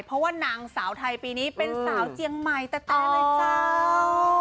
เพราะว่านางสาวไทยปีนี้เป็นสาวเจียงใหม่แต่เลยเจ้า